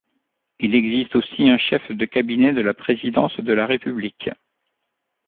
Il existe aussi un chef de cabinet de la présidence de la République.